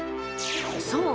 そう！